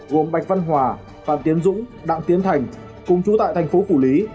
gồm bạch văn hòa phạm tiến dũng đặng tiến thành cùng chú tại thành phố phủ lý